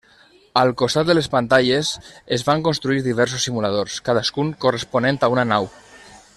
Al costat de les pantalles, es van construir diversos simuladors, cadascun corresponent a una nau.